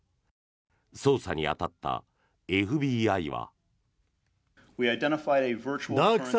捜査に当たったＦＢＩは。